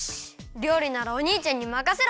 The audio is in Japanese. りょうりならおにいちゃんにまかせろ！